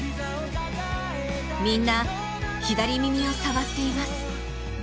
みんな、左耳を触っています。